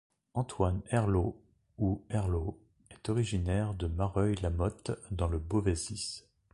Antoine Herlault ou Erlault est originaire de Mareuil-la-Motte dans le Beauvaisis.